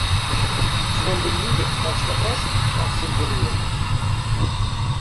Tettbaneḍ-iyi-d terseḍ aṭas ɣef send iḍelli.